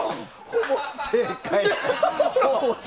ほぼ正解。